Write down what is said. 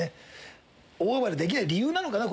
大暴れできない理由なのかな？